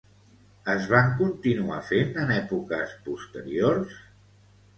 Es van continuar fent en èpoques posteriors?